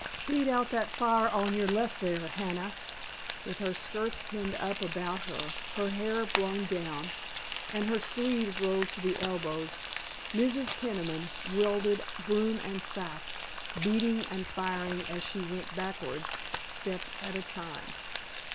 Beat out that fire on your left there, Hannah!" With her skirts pinned up about her, her hair blown down, and her sleeves rolled to her elbows, Mrs. Peniman wielded broom and sack, beating and firing as she went backwards, step at a time.